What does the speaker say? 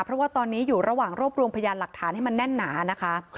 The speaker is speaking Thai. เพราะว่าตอนนี้อยู่ระหว่างรวบรวมพยานหลักฐานให้มันแน่นหนานะคะ